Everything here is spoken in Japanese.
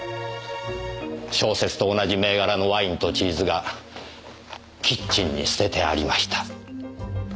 小説と同じ銘柄のワインとチーズがキッチンに捨ててありました。